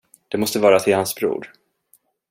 Det måste vara till hans bror.